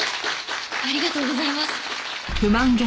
ありがとうございます！